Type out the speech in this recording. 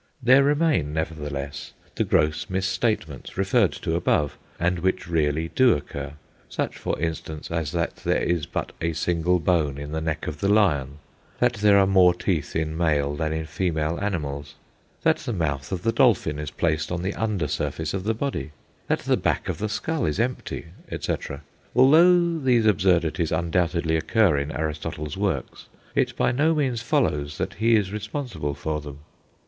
There remain, nevertheless, the gross misstatements referred to above, and which really do occur. Such, for instance, as that there is but a single bone in the neck of the lion; that there are more teeth in male than in female animals; that the mouth of the dolphin is placed on the under surface of the body; that the back of the skull is empty, etc. Although these absurdities undoubtedly occur in Aristotle's works, it by no means follows that he is responsible for them.